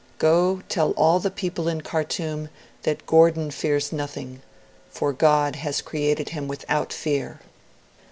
Go, tell all the people in Khartoum that Gordon fears nothing, for God has created him without fear."'